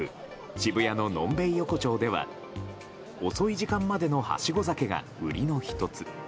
渋谷ののんべい横丁では遅い時間までのはしご酒が売りの１つ。